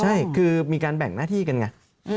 ใช่คือมีการแบ่งหน้าที่กันไง